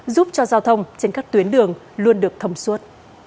giúp cho giao thông trên các tuyến đường luôn được thông suốt